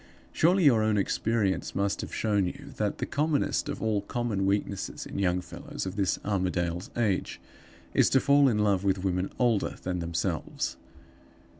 Surely, your own experience must have shown you that the commonest of all common weaknesses, in young fellows of this Armadale's age, is to fall in love with women older than themselves.